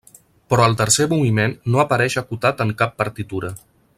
Però el tercer moviment no apareix acotat en cap partitura.